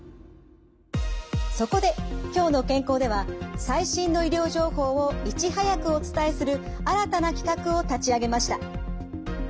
そこで「きょうの健康」では最新の医療情報をいち早くお伝えする新たな企画を立ち上げました。